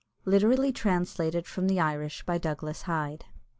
LITERALLY TRANSLATED FROM THE IRISH BY DOUGLAS HYDE.